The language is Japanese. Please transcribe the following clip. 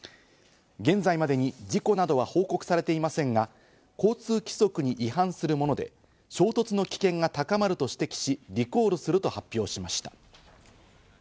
現在までに事故などは報告されていませんが、交通規則に違反するもので、衝突の危険が高まると指摘し、リコールすると発表しました。